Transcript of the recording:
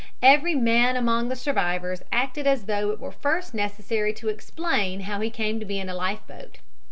Every man among the survivors acted as though it were first necessary to explain how he came to be in a life boat.